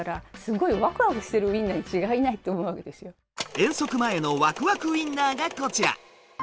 遠足前のワクワクウインナーがこちら！